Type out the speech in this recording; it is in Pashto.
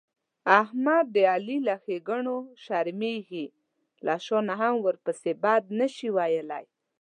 احمد د علي له ښېګڼونه شرمېږي، له شا نه هم ورپسې بد نشي ویلای.